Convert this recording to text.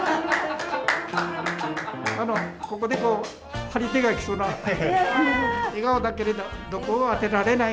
あのここでこう張り手が来そうな。